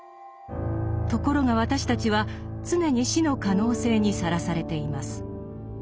ところが私たちは常に死の可能性にさらされています。